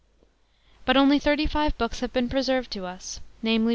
But only 35 Hooks have been preserved to us, namely B.